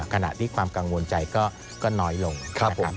ขณะที่ความกังวลใจก็น้อยลงครับผม